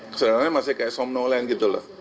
kesadaran nya masih kayak somnolens gitu loh